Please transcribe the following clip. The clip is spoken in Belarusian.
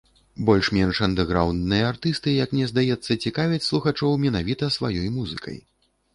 Больш-менш андэграўндныя артысты, як мне здаецца, цікавяць слухачоў менавіта сваёй музыкай.